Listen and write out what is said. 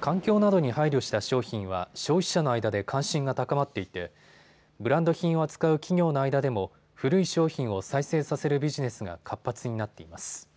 環境などに配慮した商品は消費者の間で関心が高まっていてブランド品を扱う企業の間でも古い商品を再生させるビジネスが活発になっています。